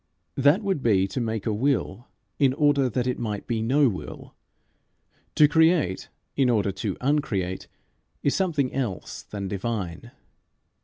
That would be to make a will in order that it might be no will. To create in order to uncreate is something else than divine.